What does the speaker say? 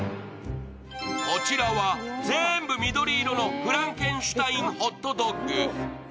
こちらは全部緑色のフランケンシュタインホットドッグ。